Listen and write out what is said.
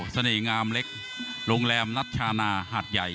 เสน่ห์งามเล็กร่วงแรมนัชธาณาหาดใหญ่